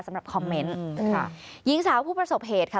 สำหรับคอมเมนต์ค่ะหญิงสาวผู้ประสบเหตุค่ะ